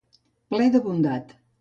Ple de bondat.